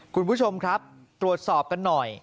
คุณผู้ชมครับตรวจสอบกันหน่อย